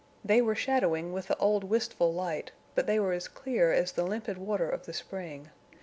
They were shadowing with the old wistful light, but they were as clear as the limpid water of the spring.